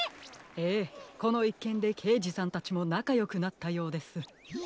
ええこのいっけんでけいじさんたちもなかよくなったようです。